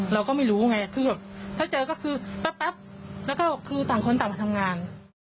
เราก็ไม่รู้ถ้าเจอก็คือแต่ก็ต่างคนตามมาทำงาน